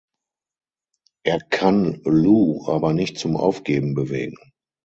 Er kann Lou aber nicht zum Aufgeben bewegen.